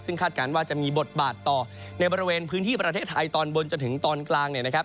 ซึ่งคาดการณ์ว่าจะมีบทบาทต่อในบริเวณพื้นที่ประเทศไทยตอนบนจนถึงตอนกลางเนี่ยนะครับ